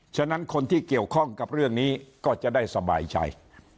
ฉะนั้นคนที่เกี่ยวข้องกับเรื่องนี้ก็จะได้สบายใจ